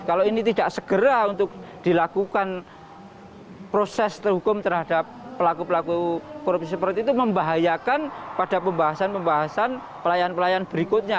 kalau ini tidak segera untuk dilakukan proses terhukum terhadap pelaku pelaku korupsi seperti itu membahayakan pada pembahasan pembahasan pelayan pelayan berikutnya